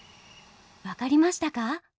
分かりましたか？